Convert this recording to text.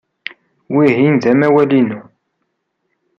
Wihin d amawal-inu.